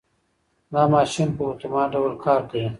دا ماشین په اتومات ډول کار کوي.